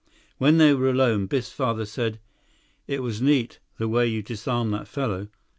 When they were alone, Biff's father said, "It was neat, the way you disarmed that fellow.